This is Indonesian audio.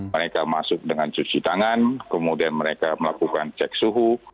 mereka masuk dengan cuci tangan kemudian mereka melakukan cek suhu